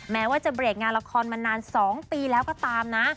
แม้ว่าจะเบรกงานละครมานาน๒ปีแล้วก็ตามนะ